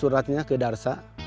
sudah kasih suratnya ke darsa